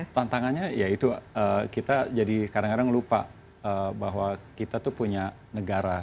tantangannya ya itu kita jadi kadang kadang lupa bahwa kita tuh punya negara